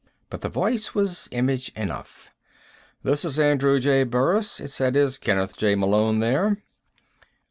But the voice was image enough. "This is Andrew J. Burris," it said. "Is Kenneth J. Malone there?"